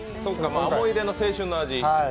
思い出の青春の味。